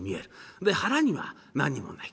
で腹には何にもない。